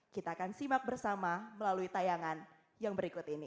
kita akan simak bersama melalui tayangan yang berikut ini